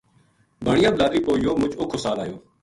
بانیا بلادری پو یوہ مُچ اوکھو سال آیو